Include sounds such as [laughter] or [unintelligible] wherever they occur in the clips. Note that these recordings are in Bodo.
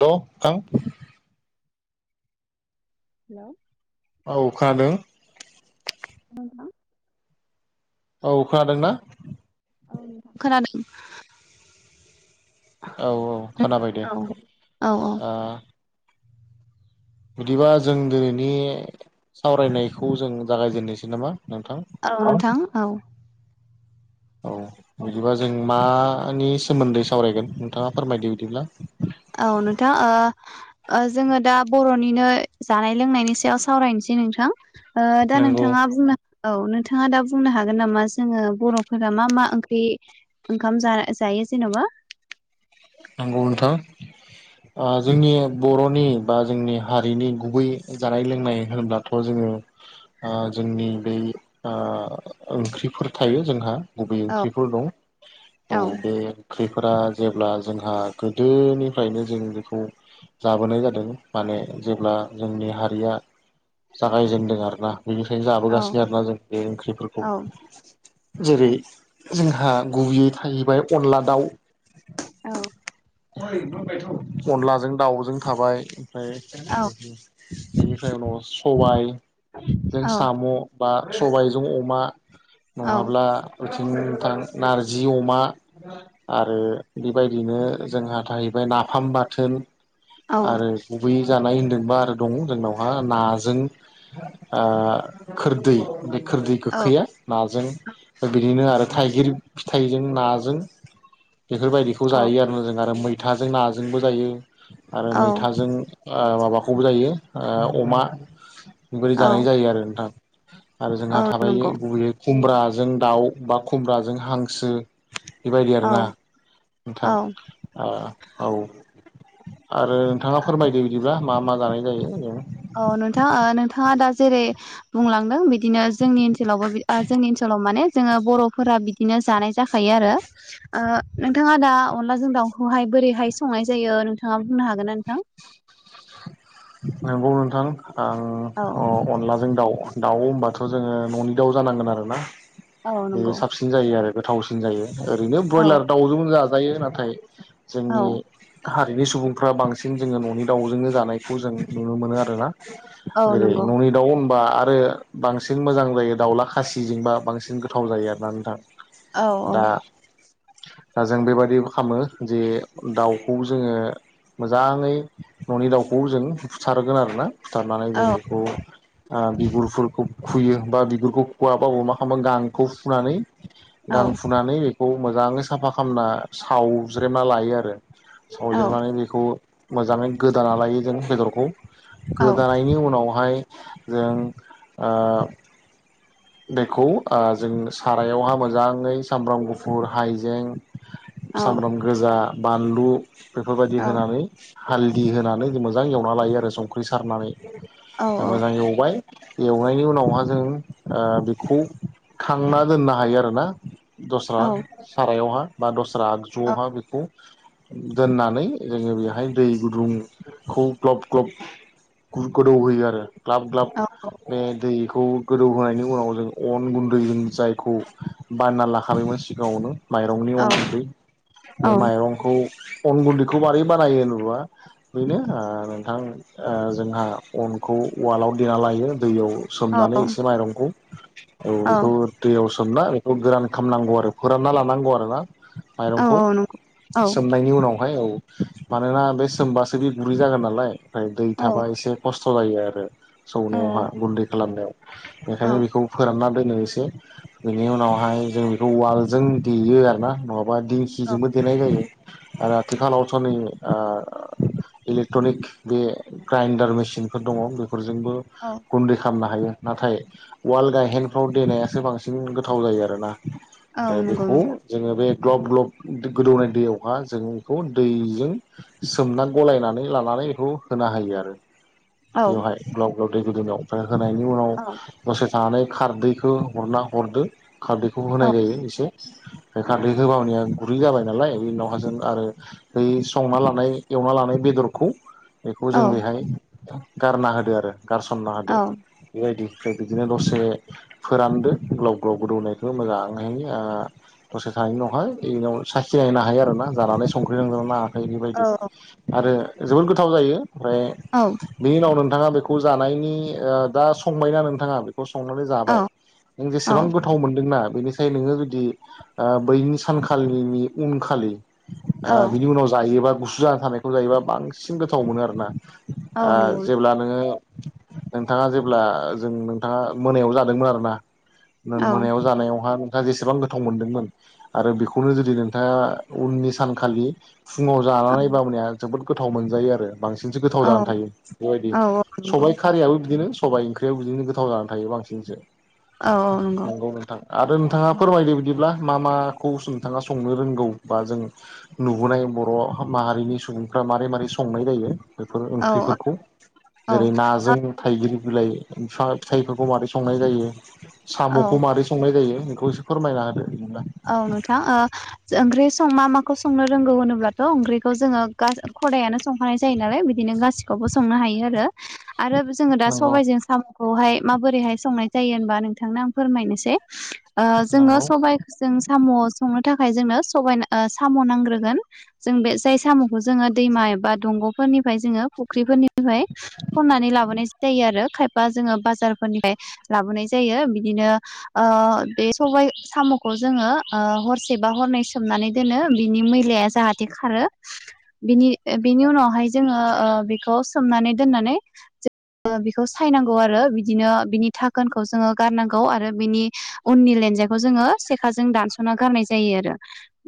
द' ओं हेलौ औ खोनादों नोंथां औ खोनादोंना? औ नोंथां खोनादों औ औ नोंथां खोनाबाय दे औ औ । ओ बिदिबा जों दिनैनि सावरायनायखौ जों जागायजेननोसै नामा नोंथां औ नोंथां औ औ बिदिबा जों मानि सोमोन्दै सावरायगोन नोंथाङा फोरमायदो बिदिब्ला औ नोंथां ओ ओ जोङो दा बर'निनो जानाय लोंनायनि सायाव सावरायनोसै नोंथां ओ दा नंगौ नोंथाङा बुंनो औ नोंथाङा दा बुंनो हागोन नामा जोङो बर'फोरा मा मा ओंख्रि ओंखाम जा जायो जेन'बा नंगौ नोंथां ओ जोंनि बर'नि बा जोंनि हारिनि गुबै जानाय लोंनाय होनोब्लाथ' जों ओ आ जोंनि बै ओ ओंख्रिफोर थायो जोंहा गुबै औ ओंख्रिफोर दं औ बे ओंख्रिफोरा जेब्ला जोंहा गोदोनिफ्रायनो जों बेखौ जाबोनाय जादों माने जेब्ला जोंनि हारिया जागायजेनदों आरोना बिनिखायनो औ जाबोगासिनो आरोना जों बे ओंख्रिफोरखौ औ । जेरै जोंहा गुबैयै थाहैबाय अनला-दाउ । औ [inaudible] अनलाजों दाउजों थाबाय ओमफ्राय बेनिफ्राय अबेनिफ्राय उनाव सबायजों औ साम' बा सबायजों अमा औ नङाब्ला थां नारजि अमा आरो बेबायदिनो जोंहा थाहैबाय नाफाम बाथोन औ आरो गुबै जानाय होन्दोंबा आरो दं जोंनावहा नाजों ओ खोरदै बे खोरदै गोखैया नाजों बिदिनो आरो थाइगिर फिथाइजों नाजों बेफोरबायदिखौ जायो आरोना जों आरो मैथाजों नाजोंबो जायो आरो औ मैथाजों ओ माबाखौबो जायो ओ अमा [inaudible] औ जानाय जायो आरो नोंथां आरो जोंहा औ थाबायो नंगौ गुबैयै खुमब्राजों दाउ बा खुमब्राजों हांसो बेबायदि औ आरोना नोंथां औ ओ औ आरो नोंथाङा फोरमायदो बिदिबा मा मा जानाय जायो [inaudible] औ नोंथां ओ नोंथाङा दा जेरै बुंलांदों बिदिनो जोंनि ओनसोलावबो बि जोंनि ओनसोल [inaudible] माने जोंङो बर'फोरा बिदिनो जानाय जाखायो आरो ओ नोंथाङा दा अनलाजों दाउ खौहाय बोरैहाय संनाय जायो नोंथाङा बुंनो हागोन ना नोंथां नोंगौ नोंथां औ ओ अ' अनलाजों दाउ दाउ होमबाथ' जोङो न'नि दाउ जानांगोन आरोना औ बेयो नंगौ साबसिन जायो आरो गोथावसिन जायो ओरैनो औ ब्रयलार दाउजों जाजायो नाथाय औ जोंनि हारिनि सुबुंफ्रा बांसिन जोङो न'नि दाउजोंनो जानायखौ जों नुनो मोनो आरोना औ जेरै नंगौ न'नि दाउ बा आरो बांसिन मोजां जायो दाउला खासिजोंबा बांसिन गोथाव जायो आरोना नोंथा औ औ दा जों बेबायाददिबो खामो जे दाउखौ जोङो मोजाङै न'नि दाउ खौ जों बुथारगोन आरो ना बुथारनानै जों औ बेखौ बिगुरफोरखौ खुयो बा बिगुरखौ खुवाबा अमाखावा गांखौ फुनानै औ गां फुनानै बेखौ मोजाङै साफा खालामना सावज्रेना लायो आरो औ सावजेनानै बेखौ मोजाङै गोदाना लायो जों बेदरखौ औ गोदानायनि उनावहाय जों दैखौ जों सारायावहा मोजाङै सामब्राम गुफुर हाइजें औ औ सामब्राम गोजा बानलु बेफोरबायदि होनानै हालददि होनानै जों मोजां एवना लायो आरो संख्रि औ सारनानै मोजां एवबाय एवनायनि उनावहा जों बेखौ खांना दोननो हायो आरोना दस्रा सारायावहा बा दस्रा आगजुआवहा बेखौ दोननानै जोङो बेहाय दै गुदुंखौ ग्लब ग्लब गोदौ होयो आरो ग्लाब ग्लाब औ बे दैखौ गोदौ होनाय बेनि उनाव जों अन गुन्दैजों जायखौ बानना लाखानायमोन सिगाङावनो माइरंनि औ अन गुन्दै औ बे माइरंखौ अन गुन्दैखौ मारै बानायो होना बेनो नोंथां जोंहा अन खौ उवालाव देना लायो दैयाव सोमनानै औ एसे माइरंखौ औ बेखौ दैयाव सोमना बेखौ गोरान खालामनांगौ आरो फोरानना लानांगौ आरो ना माइरंखौ नंगौ औ सोमनायनि उनाव माय औ मानोना बे सोमबासो बे गुरै जागोन नालाय ओफ्राय दै औ थाबा एसे खस्थ' खस्थ' जायो आरो सौनायावहा गुन्दै खालामनायाव औ बेखायनो बेखौ फोराननानै एसे बेनि उनावहाय जों बेखौ वालजों देयो आरोना नङाबा बा दिंखिजोंबो देनाय जायो आरो आथिखालावथ' नै इलेक्ट्रनिक बे ग्राइन्डार मेसिन मिसिनफोर दङ बेफोरजोंबो औ गुन्दै खालामनो हायो नाथाय- वाल गायहेनफ्राव देनायासो बांसिन गोथाव जायो आरो ना औ ओ नंगौ बेखौ नोंथां जोङो बे- ग्लब ग्लब गोदौनाय दैयावहा जों बेखौ दैजों सोमना गलायनानै लानानै बेखौ होना होयो आरो औ बेवहाय ग्लाब ग्लाब दै गुदङाव ओ होनायनि औ उनाव- जानाय खारदैखौ हरना हरदो खारदैखौ औ होनाय जायो एसे- बे खारदै गोबाबनिआ गुरै जाबाय नालाय बे उनावहाजों आरो दै संना लानाय एवना लानाय बे- बेदरखौ- बेखौ औ जों बेहाय गारना होदो आरो गारसनना होदो औ बेबायदि ओमफ्राय बिदिनो दसे फोरानदो ग्लाव ग्लाव गोदौनायखौ मोजाङैनो ओ- दसे थानाय उनावहाय बेनि सााखिनायहो हायो आरोना जानानै संख्रि नांगोन ना ओमफ्राय औ बेबायदि आरो जोबोद गोथाव जायो ओमफ्राय औ बेनि उनाव- नोंथाङा बेखौ जानायनि दा संबायना नोंथाङा बे बेखौ संनानै जाबाय औ नों जेसेबां औ गोथाव मोन्दोंना बेनिखाय नोङो जुदि बैनि सानखालिनि उनखालि ओ औ बिनि उनाव जायोबा गुसु जा थानायखौ जायोबा बांसिन गोथाव मोनो आरोना- आ औ नंगौ जेब्ला नोङो नोंथांङा जेब्ला- जों नोंथांङा मोनायाव जादोंमोन आरो ना औ नों मोनायाव जानायावहा जेसेबां गोथाव मोनदोंमोन आरो बेखौनो जुदि नोंथाङा उननि सानखालि- फुङाव जानानै बावनिया जोबोद गोथाव मोनजायो आरो बांसिनसो गोथाव जानानै औ थायो बेबायदि औ नंगौ सबाय खारियाबो बिदिनो सबाइ ओंख्रि बिदिनो गोथाव जानानै थायो बांसिनसो औ नंगौ नोंथां आरो नोंथाङा फोरमायदो बिदिब्ला मा मा माखौ नोंथाङा संनो रोंगौ बा जों नुबोनाय बर' माहारिनि सुबुंफ्रा- मारै मारोरै संनाय जायो बेफोर औ ओंख्रिफोरखौ औ जेरै नाजों थाइगिर बिलाइ- फिथाइफोरखौ माबोरै संनाय जायो औ साम'खौ मारै संनाय जायो- खौसो फोरमायना होदो! औ नोंथां ओ ओंख्रि सं मा माखौ संनो रोंगौ होनोब्लाथ' ओंख्रिखौ जोङो गा- खदायानो संखानाय जायो नालाय बिदिनो गासिखौबो संनो हायो आरो- आरो जोङो दा नंगौ सबाइजों साम'खौहाय माबोरैहाय संनाय- जायो होनबा नोंथांनो आं फोरमायनोसै जोङो नंगौ ओ सबाय जों साम' संनो थाखाय जोंनो सबाय साम' नांग्रोगोन जों बे जाय साम'खौ जोङो- दैमा एबा दंग'फोरनिफ्राय जोङो फुख्रिफोरनिफ्राय खननानै लाबोनाय जायो! जायो आरो खायफा जोङो बाजारफोरनिफ्राय लाबोनाय जायो बिदिनो ओ बे [unintelligible] साम' खौ जोङो ओ हरसे बा हरनै सोमनानै दोनो बिनि मैलाया जाहाथे खारो- बिनि बिनि उनावहाय जोङो ओ बेखौ सोमनानै दोननानै- बेखौ सायनांगौ आरो बिदिनो ओ बिनि थाखोनखौ जोङो गारनांगौ आरो बिनि उननि जेखौ जोङो- सेखा जों दानस'ना गारनाय जायो आरो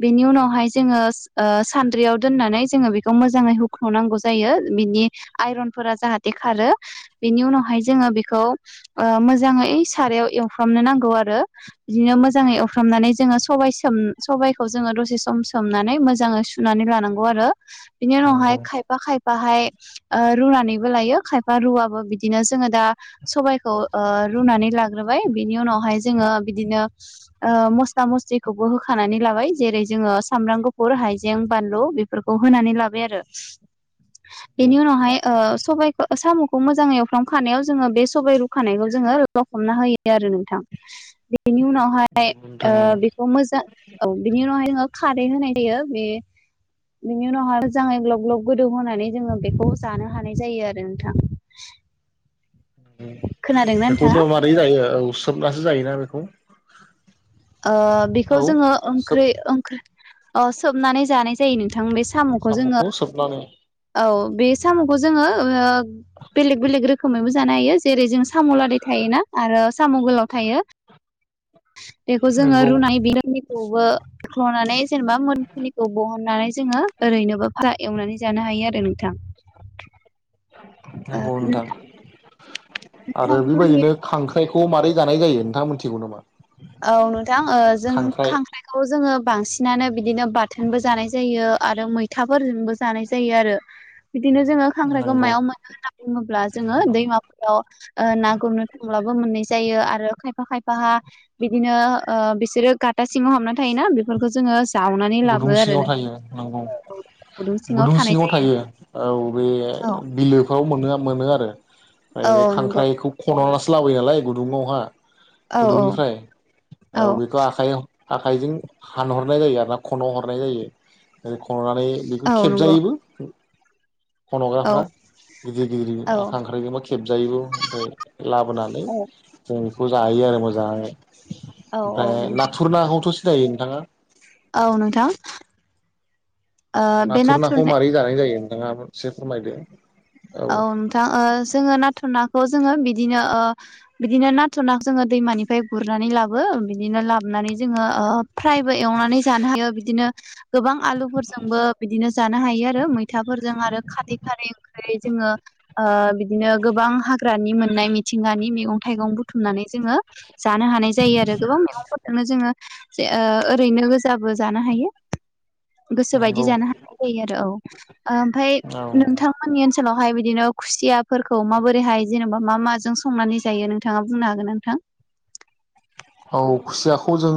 बेनि उनावहाय जोङो ओ सान्द्रियाव दोननानै जो बेखौ मोजाङै हुख्रनांगौ जायो बिनि आइरनफोरा जाहाथे खारो बिनि उनावाय जोङो बेखौ ओ मोजाङै सारायाव एफ्रामनो नांगौ आरो बिदिनो मोजाङै सुफ्रामनानै जोङो सब स सबायखौ जोङो दसे सम सोमनानै मोजाङै सुनानै लानांगौ आरो बिनि उनावहाय नंगौ खायफा खाय फाहाय रुनानैबो लायो खायफा रुवाबबो बिदिनो जोङो दा सबायाइखौ ओरुनानै लाग्रोबाय बिनि उनावहाय जोङो बिदिनो ओ मस्ला मस्लिखौबो होखानानै लाबाय जेरै जोङो सामब्राम गुफुर हाइजें बानलु बेफोरखौ होनानै ला आरो बेनि उनावहाय ओ स सबाइखौ साम'खौ मोजाङै एवफ्र्लां खानायाव जोङो बे सबबाय रुखानायखौ जोङो लखबना होयो आरो नोंथां बेनि उनावहाय ओ नोंथां बेखौ मोजां औ बिनि उनावहाय जोङो- खारै होनाय जायो बे- बेनि उनावहाय मोजाङै ग्लाब ग्लाब गोदौ होनोनानै जोङो बेखौ जानो हानाय जायो आरो नोंथां। [inaudible] खोनादोंना नोंथाङा बेखौथ' मारै जायो औ सोबनासो जायोना बेखौ। ओ बेखौ औ जोङो सोब ओंख्रि ओंख्रि औ सोबनानै जानाय जायो नोंथां बे औ साम'खौ जोङो सोबनानै औ बे साम'खौ जोङो ओ। बेलेग बेलेग रोखोमैबो जानो हायो जेरै जों साम' लादाय थायोना आरो। साम'गोलाव थायो। बेखौ जोङो नंगौ रुनाय [unintelligible] बख्ल'नानै जेनेबा मोनफुनिखौ बन नानै जोङो ओरैनोबो बा फ्राय एवनानै जानो हायो आरो नोंथां। ओ नंगौ नोंथां आरो नोंथांमोननि बेबायदिनो खां फिथाइखौ मारै जानाय जायो नोंथाङा मोनथिगौ नामा। औ नोंथां जों खांख्राइ खांख्राइखौ जोङो बांसिनानो बिदिनो बार बिथोनबो जानाय जायो आरो मैथाफोरजोंबो जानाय जायो आरो। बिदिनो जोङो खांख्राइखौ नंगौ मायाव मोनो होनना बुङोब्ला जोङो दैमाफोराव ओ ना गुरनो थाङो। अब्लाबो मोननाय जायो आरो खायफा खायफाहा। बिदिनो ओ बिसोरो गाथा सिङाव हाबना थायोना बेफोरखौ जोङो। जावनानै लाबो गुदुं आरो सिङाव नोंथां थायो नंगौ। गुदुं सिङाव थायो औ बे जायो औ बिलोफ्राव मोन मोनो आरो ओमफ्राय बे औ नंगौ खांख्राइखौ खन'नासो लाबोयो नालाय गुदुङावहा। औ औ गुदुंनिफ्राय औ बेखौ आखाइ आखाइजों हानहरनाय जायो आर ना। खन'हरनाय जायो आरो खन'नानै बेखौ औ नंगौ खेबजायोबो। औ खन'ग्राफ्रा गिदिर गिदिर औ आ ओख्रायजोंबा खेबजायोबो ओमफ्राय। लाबोनानै औ जों बेखौ जायो आरो मोजाङै। औ ओमफ्राय नोंथां नाथुर नाखौथ' सिनायो नोंथाङा। औ नोंथां ओ बे नाथुर नाखौ मारै जानाय जायो नोंथाङा एसे फोरमायदो। औ नोंथां जोङो नाथुर नाखौ। जोंङो बिदिनो ओ बिदिनो नाथुर ना जोंङो दैमानिफ्राय गुरनानै लाबो बिदिनो लाबोनानै। जोंङो फ्रायबो एवनानै जानो हायो बिदिनो गोबां‌ आलुफोरजोंबो बिदिनो जानो हायो आरो मैथाफोरजों आरो खारै-खारै ओं। फाय जोङो ओ। बिदिनो गोबां हाग्रानि मोननाय मिथिंगानि मैगं थाइगं बुथुमनानै जोङो। जानो हानाय जायो आरो गोबां मैगंफोरजोंनो जोङो। जे ओरैनो गोजाबो जानो हायो। गोसो बायदि नंगौ जानो हानाय जायो आरो औ ओमफाय औ नोंथां। नि ओनसोलावहाय बिदिनो खुसियाफोरखौ माबोरैहाय जेनेबा मा माजों संनानै जायो नोंथाङा बुंनो हागोन न। नोंथां। [unintelligible] औ खुसियाखौ जों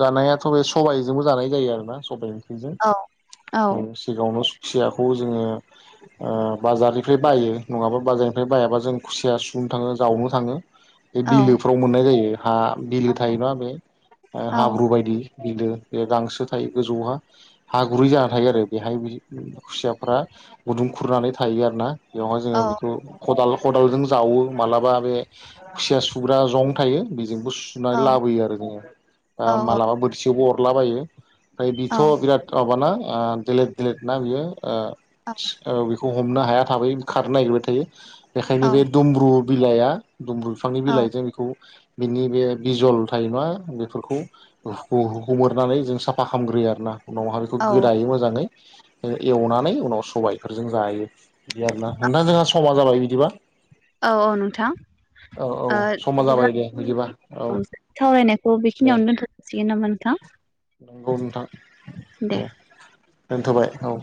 जानायाथ' बे सबायजोंबो जानाय जायो आरोना सबाय। थैजों औ औ सिगाङावनो सु खुसियाखौ जोङो। ओ बाजारनिफ्राय बायो नङाबा बाजारनिफ्राय बायाबा जों खुसिया सुनो थाङो जावनो थाङो। बे औ बिलोफ्राव मोननाय जायो हा बिलो औ थायो ना बे औ हाब्रु बायदि। बिलो बे गांसो थायो गोजौहा हागुरै जाना थायो आरो बेहाय खुसियाफ्रा। गुदुं खुरनानै थायो आरो ना बेवहाय औ जोङो बेखौ। खदाल-खदालजों जावो मालाबा बे खुसिया सुग्रा जं थायो बेजोंबो सु। औ नानै लाबोयो आरो जोङो दा मालाबा बोरसियावबो अरलाबायो। ओमफ्राय औ बिथ' बिराद माबाना ओ देलेद-देलेद ना बियो ओ बि। खौ हमनो हाया थाबै खारनो नागिरबाय थायो बेखायनो औ बे दमब्रु बिलाइआ। दमब्रु बिफांनि औ बिलाइजों बेखौ बिनि बे। बिजल थायो नङा बेफोरखौ हु हुखोमोरनानै जों साफा खालामग्रोयो आरोना। उनावहा बेखौ गोदायो मोजाङै एवनानै उनाव सबायफोरजों जायो बिदि आरोना नोंथां जोंहा समा जाबाय बिदिबा औ औ नोंथां औ औ ओ समा इदिब्ला जाबाय दे बिदिबा [unintelligible] औ सावरायनायखौ दे बेखिनियावनो दोनथजासिगोन नामा नोंथां? नंगौ नोंथां दे दोनथबाय औ